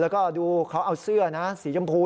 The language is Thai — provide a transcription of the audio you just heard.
แล้วก็ดูอาวเสื้อกายสีนี้